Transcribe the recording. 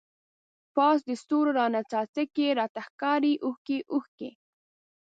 پاس د ستورو راڼه څاڅکی، راته ښکاری اوښکی اوښکی